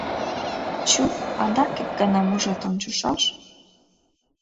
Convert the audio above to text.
Чу, адак ик гана мужед ончышаш.